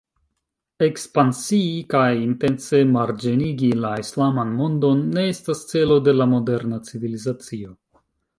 Ekspansii kaj intence marĝenigi la islaman mondon ne estas celo de la moderna civilizacio.